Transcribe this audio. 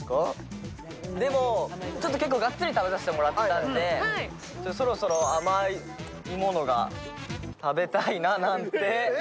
でも、結構がっつり食べさせてもらったんで、そろそろ甘いものが食べたいななんて。